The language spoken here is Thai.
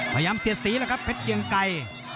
พยายามเสียสีแพทย์เกียงไก็